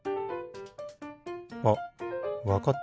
あっわかった。